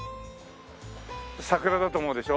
桜だと思うでしょ？